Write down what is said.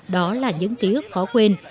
đó là những ký ức khó quên